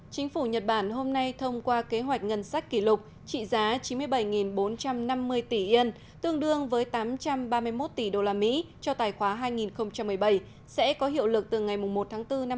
chính phủ nhật bản hôm nay thông qua kế hoạch ngân sách kỷ lục trị giá chín mươi bảy bốn trăm năm mươi tỷ yen cho tài khoá hai nghìn một mươi bảy sẽ có hiệu lực từ ngày một tháng bốn năm hai nghìn một mươi bảy